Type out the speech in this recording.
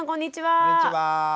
こんにちは。